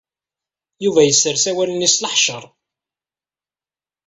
Yuba yessers asawal-nni s leḥceṛ.